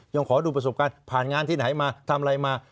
ขอดูประสบการณ์ผ่านงานที่ไหนมาทำอะไรมา